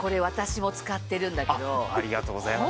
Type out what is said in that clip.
ありがとうございます。